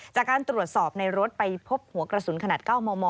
จากการตรวจสอบในรถไปพบหัวกระสุนขนาด๙มม